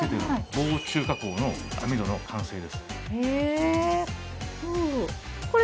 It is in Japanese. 防虫加工の網戸の完成です。